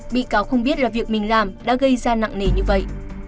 bị cáo không biết là việc mình làm đã gây ra nặng nề như vậy